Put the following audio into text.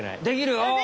できるお！